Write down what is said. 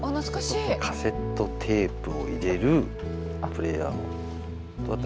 カセットテープを入れるプレーヤー。